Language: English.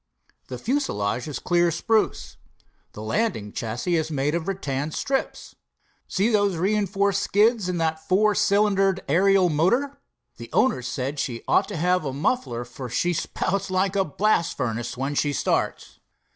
The fuselage is clear spruce. The landing chassis is made of rattan strips. See those reinforced skids, and that four cylindered aerial motor? The owners said she ought to have a muffler, for she spouts like a blast furnace when she starts."